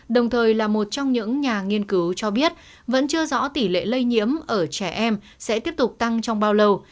đồng thời là một trong những nhà nghiên cứu cho biết vẫn chưa rõ tỷ lệ lây nhiễm ở trẻ em sẽ tiếp tục tăng trong bao lâu